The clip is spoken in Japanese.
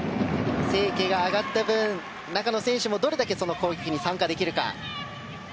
清家が上がった分中の選手もどれだけ攻撃に参加できるのか。